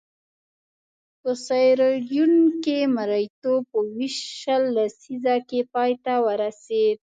په سیریلیون کې مریتوب په ویشت شل لسیزه کې پای ته ورسېد.